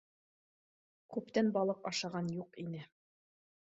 Күптән балыҡ ашаған юҡ ине.